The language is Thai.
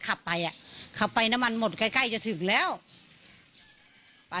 ขับไปอ่ะขับไปน้ำมันหมดใกล้ใกล้จะถึงแล้วไป